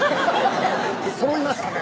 そろいましたね